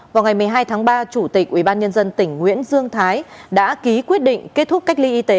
vào ngày một mươi hai tháng ba chủ tịch ubnd tỉnh nguyễn dương thái đã ký quyết định kết thúc cách ly y tế